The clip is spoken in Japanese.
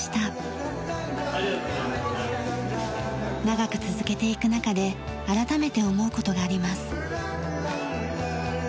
長く続けていく中で改めて思う事があります。